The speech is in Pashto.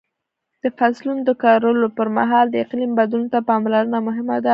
د فصلونو د کرلو پر مهال د اقلیم بدلون ته پاملرنه مهمه ده.